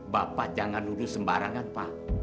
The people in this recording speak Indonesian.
bapak jangan lurus sembarangan pak